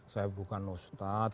saya bukan ustadz